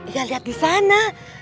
ya liat disana